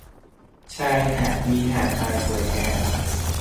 ชายหาดมีหาดทรายสวยงาม